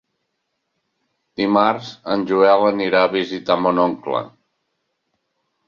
Dimarts en Joel anirà a visitar mon oncle.